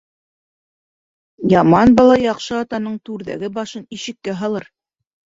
Яман бала яҡшы атаның түрҙәге башын ишеккә һалыр.